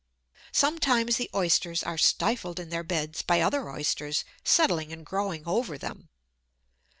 Sometimes the Oysters are stifled in their "beds" by other Oysters settling and growing over them.